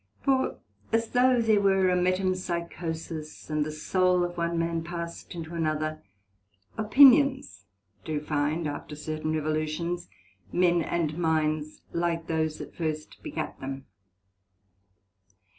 For as though there were a Metempsuchosis, and the soul of one man passed into another; Opinions do find, after certain Revolutions, men and minds like those that first begat them.